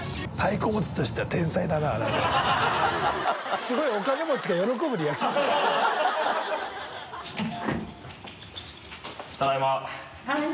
すごいお金持ちが喜ぶリアクションです